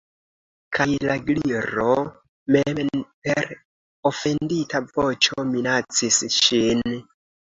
Kaj la Gliro mem per ofendita voĉo minacis ŝin.